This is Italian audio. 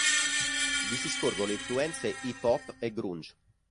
Vi si scorgono influenze hip hop e grunge.